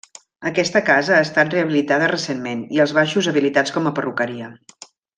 Aquesta casa ha estat rehabilitada recentment, i els baixos habilitats com a perruqueria.